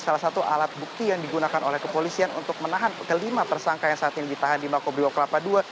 salah satu alat bukti yang digunakan oleh kepolisian untuk menahan kelima tersangka yang saat ini ditahan di makobrio kelapa ii